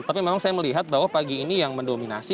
tapi memang saya melihat bahwa pagi ini yang mendominasi